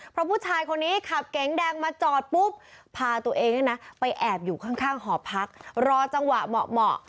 เพราะผู้ชายคนนี้ขับเก๋งแดงมาจอดปุ๊บพาตัวเองเนี่ยนะไปแอบอยู่ข้างหอพักรอจังหวะเหมาะ